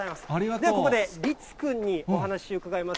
ではここで、律君にお話しお伺いします。